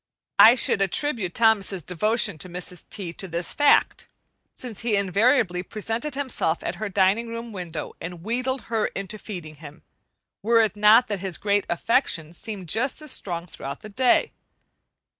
I should attribute Thomas's devotion to Mrs. T. to this fact, since he invariably presented himself at her dining room window and wheedled her into feeding him, were it not that his affection seemed just as strong throughout the day.